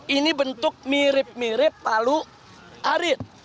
ini bentuk mirip mirip palu arit